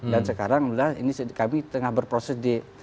dan sekarang ini kami tengah berproses di